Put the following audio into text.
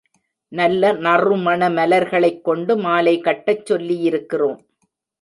நல்ல நறுமண மலர்களைக் கொண்டு மாலை கட்டச் சொல்லியிருக்கிறோம்.